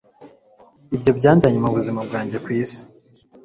ibyo byanzanye mubuzima bwanjye kwisi